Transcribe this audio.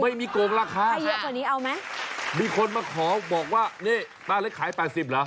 โกงราคาให้เยอะกว่านี้เอาไหมมีคนมาขอบอกว่านี่ป้าเล็กขายแปดสิบเหรอ